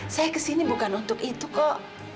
saya kesini bukan untuk itu kok